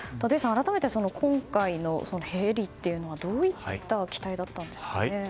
改めて、今回のヘリというのはどういった機体だったんですか。